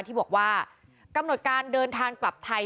ที่บอกว่ากำหนดการเดินทางกลับไทย